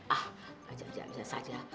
ah ajak ajak bisa saja